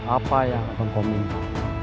apa yang akan kau minta